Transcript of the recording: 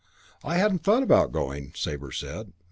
"I hadn't thought about going," Sabre said.